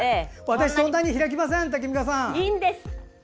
私、そんなに開きませんタキミカさん。